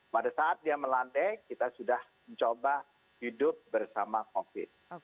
pada saat dia melantai kita sudah mencoba hidup bersama covid